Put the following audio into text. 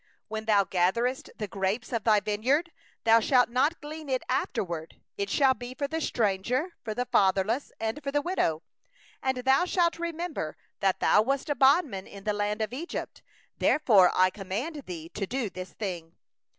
21When thou gatherest the grapes of thy vineyard, thou shalt not glean it after thee; it shall be for the stranger, for the fatherless, and for the widow. 22And thou shalt remember that thou wast a bondman in the land of Egypt; therefore I command thee to do this thing.